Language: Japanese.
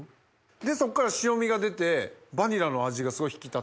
でそっから塩味が出てバニラの味がすごい引き立つ。